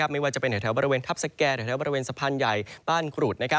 ไม่ว่าจะเป็นแถวบริเวณทัพสแก่แถวบริเวณสะพานใหญ่บ้านครูด